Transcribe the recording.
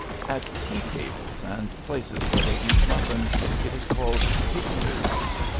At tea tables and places where they eat muffins it is called dignity.